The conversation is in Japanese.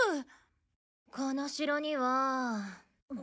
この城には。